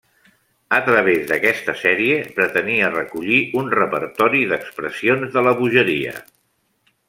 A través d'aquesta sèrie pretenia recollir un repertori d'expressions de la bogeria.